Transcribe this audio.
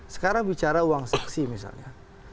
sekarang bicara uang saksi misalnya